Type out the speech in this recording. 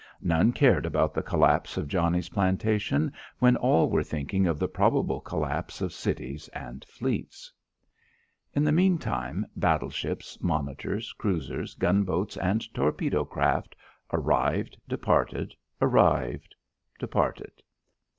None cared about the collapse of Johnnie's plantation when all were thinking of the probable collapse of cities and fleets. In the meantime, battle ships, monitors, cruisers, gunboats and torpedo craft arrived, departed, arrived, departed.